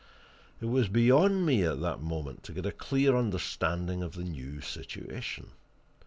It was beyond me at that moment to get a clear understanding of the new situation.